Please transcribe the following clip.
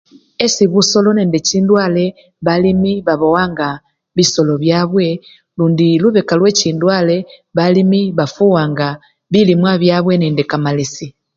Esii bisolo nende chindwale balimi babowanga bisolo byabwe lundi lubeka lwechindwale balimi bafuwanga bilimwa byabwe nende kamalesi.